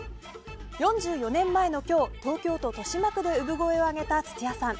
４４年前の今日東京都豊島区で産声を上げた土屋さん。